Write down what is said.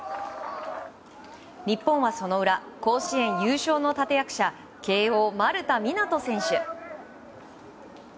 日本はその裏、甲子園優勝の立役者慶応、丸田湊斗選手。